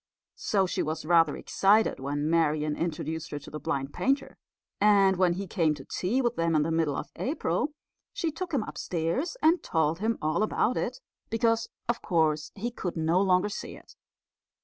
So she was rather excited when Marian introduced her to the blind painter; and when he came to tea with them in the middle of April she took him upstairs and told him all about it, because, of course, he could no longer see it.